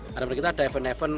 karena menurut kita ada event event